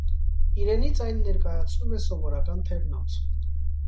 Իրենից այն ներկայացնում է սովորական թևնոց։